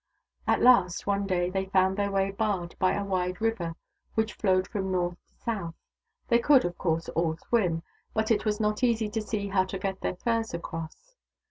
At last, one day, they found their way barred by a wide river which flowed from north to south. They could, of course, all swim ; but it was not easy to see how to get their furs across.